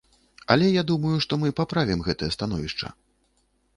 Але я думаю, што мы паправім гэтае становішча.